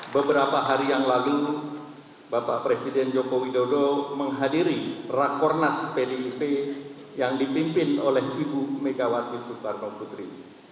beberapa hari yang lalu bapak presiden joko widodo menghadiri rakornas pdip yang dipimpin oleh ibu megawati soekarno putri